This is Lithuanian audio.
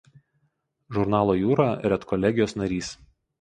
Žurnalo „Jūra“ redkolegijos narys.